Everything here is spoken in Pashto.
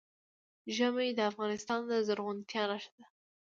ژمی د افغانستان د زرغونتیا نښه ده.